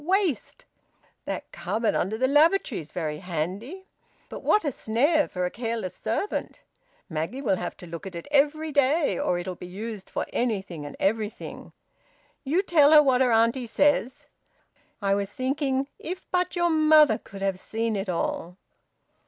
Waste! That cupboard under the lavatory is very handy, but what a snare for a careless servant! Maggie will have to look at it every day, or it'll be used for anything and everything. You tell her what her auntie says... I was thinking if but your mother could have seen it all!"